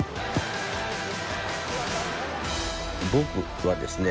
僕はですね